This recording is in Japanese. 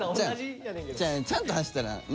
ちゃんと走ったらね